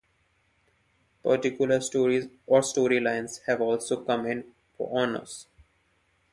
Particular stories or storylines have also come in for honors.